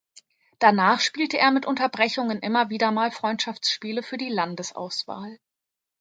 Danach spielte er mit Unterbrechungen immer wieder mal Freundschaftsspiele für die Landesauswahl.